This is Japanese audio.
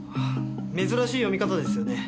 珍しい読み方ですよね。